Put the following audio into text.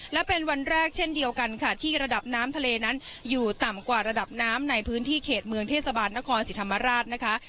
และเป็นวันแรกเช่นเดียวกันค่ะที่ระดับน้ำทะเลนั้นอยู่ต่ำกว่าระดับน้ำในพื้นที่เขตเมืองเทศบาลนครศรีธรรมราชนะคะ